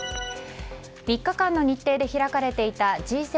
３日間の日程で開かれていたＧ７